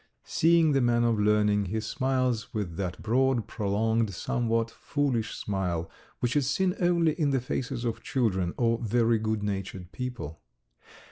Seeing the man of learning he smiles with that broad, prolonged, somewhat foolish smile which is seen only on the faces of children or very good natured people.